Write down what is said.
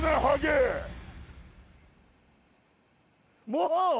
もう？